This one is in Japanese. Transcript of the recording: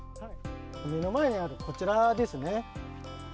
目の前にあるこちらですね。